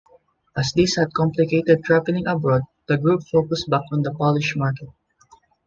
As this had complicated travelling abroad, the group focused back on the Polish market.